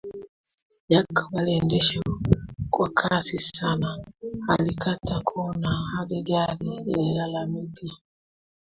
Jacob aliendesha kwa kasi sana alikata kona hadi gari ililalamika